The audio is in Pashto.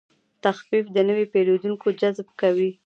تخفیف د نوي پیرودونکو جذب کوي.